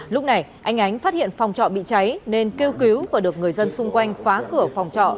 lúc này anh ánh phát hiện phòng trọ bị cháy nên kêu cứu và được người dân xung quanh phá cửa phòng trọ